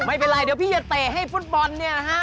ไม่เป็นไรเดี๋ยวพี่จะเลยเตะให้ฟุ้นบอลนะฮะ